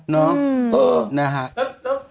เนาะนะฮะแล้ว